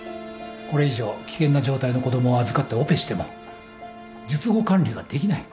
これ以上危険な状態の子供を預かってオペしても術後管理ができない。